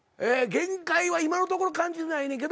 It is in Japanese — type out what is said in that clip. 限界は今のところ感じてないねんけど。